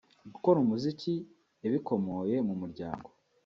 Gukora umuziki yabikomoye mu muryango